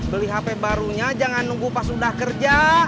beli hp barunya jangan nunggu pas udah kerja